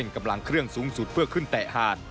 กำลังเครื่องสูงสุดเพื่อขึ้นแตะหาด